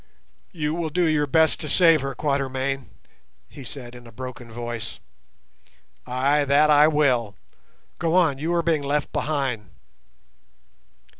"You will do your best to save her, Quatermain?" he said in a broken voice. "Ay, that I will. Go on; you are being left behind."